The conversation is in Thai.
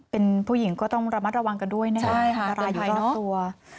เป็นผู้หญิงก็ต้องระมัดระวังกันด้วยนะคะอันตรายอยู่นอกตัว